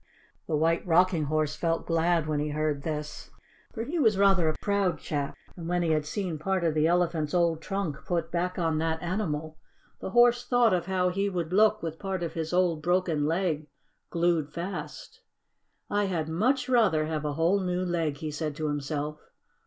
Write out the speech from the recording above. The White Rocking Horse felt glad when he heard this. For he was rather a proud chap, and when he had seen part of the Elephant's old trunk put back on that animal, the Horse thought of how he would look with part of his old broken leg glued fast. "I had much rather have a whole new leg," he said to himself.